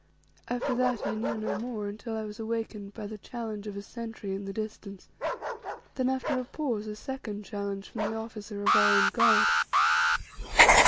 After that I knew no more until I was awakened by the challenge of a sentry in the distance; then after a pause, a second challenge from the officer of our own guard.